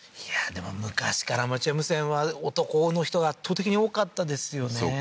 いやでも昔からアマチュア無線は男の人が圧倒的に多かったですよね